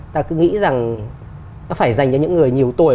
ta cứ nghĩ rằng nó phải dành cho những người nhiều tuổi